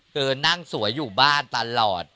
คือนั่งสวยอยู่บ้านตลอด